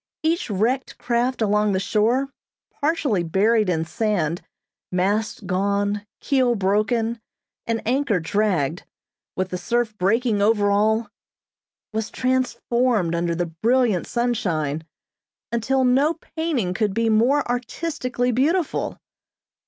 Each wrecked craft along the shore, partially buried in sand, masts gone, keel broken, and anchor dragged, with the surf breaking over all, was transformed under the brilliant sunshine, until no painting could be more artistically beautiful.